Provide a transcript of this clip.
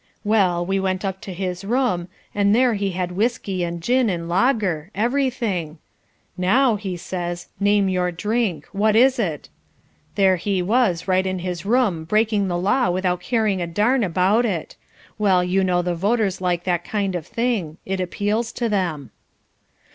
Well, we went up to his room, and there he had whiskey, and gin, and lager, everything. 'Now,' he says, 'name your drink what is it?' There he was, right in his room, breaking the law without caring a darn about it. Well, you know the voters like that kind of thing. It appeals to them."